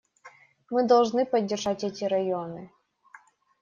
Мы должны поддержать эти районы.